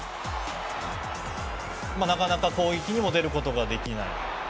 なかなか攻撃にも出ることができない。